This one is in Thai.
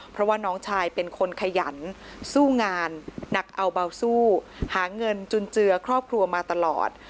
เพราะว่าน้องชายเป็นคนขยันสู้งานหนักเอาเบาสู้หาเงินจุนเจือครอบครัวมาตลอด